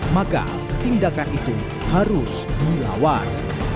maka tindakan itu harus dilawan